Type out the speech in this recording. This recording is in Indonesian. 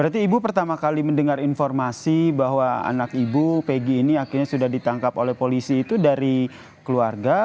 berarti ibu pertama kali mendengar informasi bahwa anak ibu peggy ini akhirnya sudah ditangkap oleh polisi itu dari keluarga